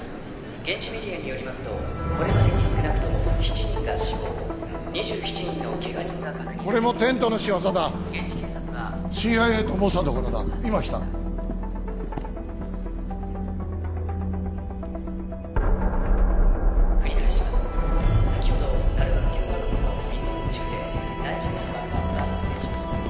現地メディアによりますとこれまでに少なくとも７人が死亡２７人のけが人がこれもテントの仕業だＣＩＡとモサドからだ今来た繰り返します先ほどダルバン共和国のミソコ地区で大規模な爆発が発生しました